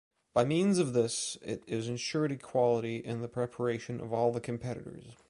By means of this it is ensured equality in the preparation of all the competitors.